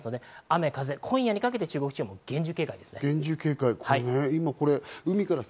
雨、風、今夜にかけて中国地方も厳重警戒です。